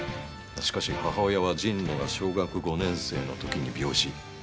しかし母親は神野が小学５年生のときに病死。